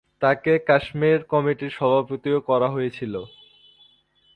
তাঁকে কাশ্মীর কমিটির সভাপতিও করা হয়েছিল।